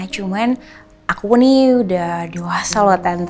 cuman aku nih udah dosa loh tante